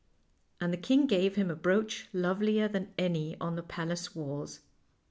And the king gave him a brooch lovelier than any on the palace walls.